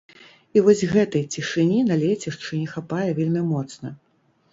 І вось гэтай цішыні на лецішчы не хапае вельмі моцна.